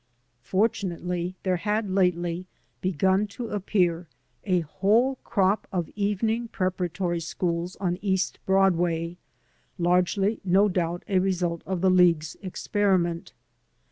Fortunately, there had lately begun to appcjar a whole crop of evening preparatory schools on East Broadway — ^largely, no doubt, a result of the league's experiment.